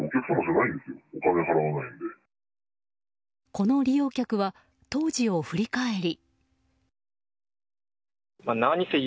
この利用客は当時を振り返り。